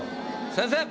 先生。